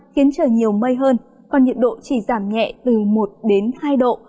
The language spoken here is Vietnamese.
khiến trời nhiều mây hơn còn nhiệt độ chỉ giảm nhẹ từ một đến hai độ